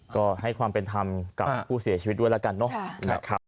ก็ให้ความเป็นธรรมกับผู้เสียชีวิตด้วยแล้วกันเนอะนะครับ